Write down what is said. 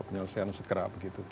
penyelesaian segera begitu